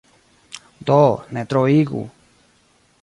Do, ne troigu.